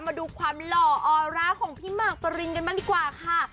มาดูความล่ออร่าของพี่มาร์กตรินกันค่ะ